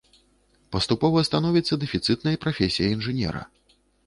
Паступова становіцца дэфіцытнай прафесія інжынера.